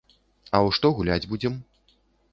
А ў што гуляць будзем?